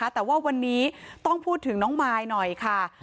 แต่ว่าวันนี้ต้องพูดถึงน้องมายหน่อยค่ะ